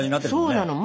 そうなの。